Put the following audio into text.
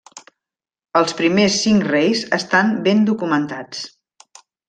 Els primers cinc reis estan ben documentats.